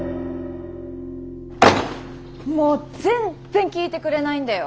もうぜんっぜん聞いてくれないんだよ